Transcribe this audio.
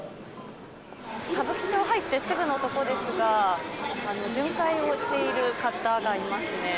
歌舞伎町に入ってすぐのところですが巡回をしている方がいますね。